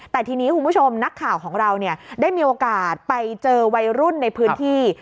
แต่ทีนี้คุณผู้ชมนักข่าวของเราได้มีโอกาสไปเจอวัยรุ่นในพื้นที่